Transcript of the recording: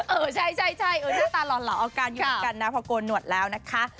เออใช่หน้าตาหล่อเอาการยุ่งกันนะพอโกนหนวดแล้วนะคะ